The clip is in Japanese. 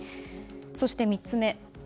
そして３つ目。